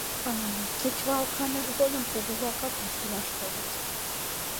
Кечывал каныш годым кугу-влакат йӱштылаш толыт.